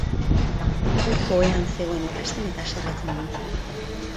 Urko ohean zegoen ikasten eta haserretu nintzen.